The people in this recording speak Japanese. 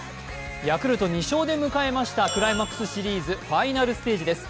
ヤクルト２勝で迎えましたクライマックスシリーズ、ファイナルステージです。